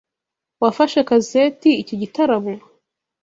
Wafashe kaseti icyo gitaramo?